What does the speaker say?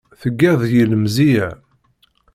Tgiḍ deg-i lemzeyya.